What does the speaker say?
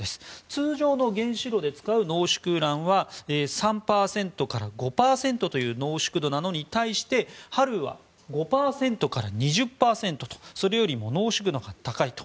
通常の原子炉で使う濃縮ウランは３％から５％という濃縮度なのに対してＨＡＬＥＵは５％から２０％とそれよりも濃縮度が高いと。